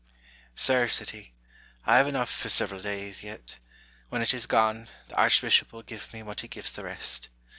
"Sir," said he, "I have enough for several days yet; when it is gone, the archbishop will give me what he gives the rest.